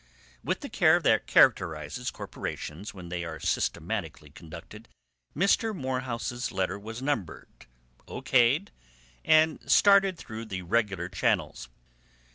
With the care that characterizes corporations when they are systematically conducted, Mr. Morehouse's letter was numbered, O.K'd, and started through the regular channels.